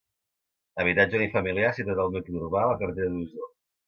Habitatge unifamiliar, situat al nucli urbà, a la carretera d'Osor.